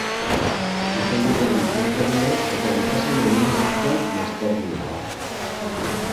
Zuzenbidean lizentziaduna eta Enpresen Administrazioan masterduna da.